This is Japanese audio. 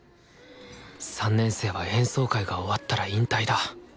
３年生は演奏会が終わったら引退だ。